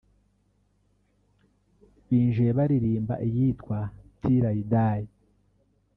Binjiye baririmba iyitwa "Till I Die"